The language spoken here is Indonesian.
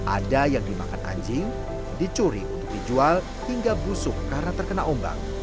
ada yang dimakan anjing dicuri untuk dijual hingga busuk karena terkena ombak